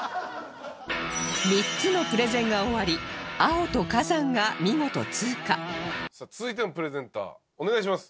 ３つのプレゼンが終わり「青」と「火山」が見事通過さあ続いてのプレゼンターお願いします。